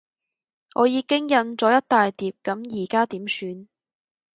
我已經印咗一大疊，噉而家點算？